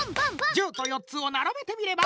１０と４つをならべてみれば。